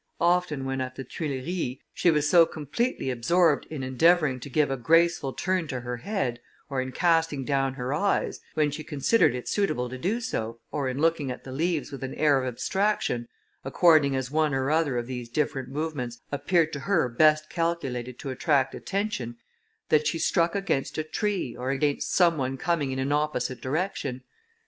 Often when at the Tuileries, she was so completely absorbed in endeavouring to give a graceful turn to her head, or in casting down her eyes, when she considered it suitable to do so, or in looking at the leaves with an air of abstraction, according as one or other of these different movements appeared to her best calculated to attract attention, that she struck against a tree, or against some one coming in an opposite direction.